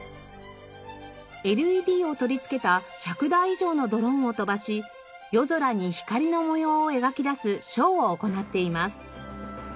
ＬＥＤを取り付けた１００台以上のドローンを飛ばし夜空に光の模様を描き出すショーを行っています。